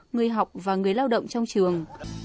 người học và người lao động trong trường